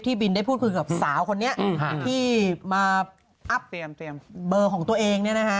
ที่บินได้พูดคืนกับสาวคนนี้ที่มาอัพเบอร์ของตัวเอง